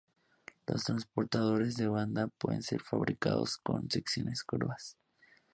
Los transportadores de banda pueden ser fabricados con secciones curvas.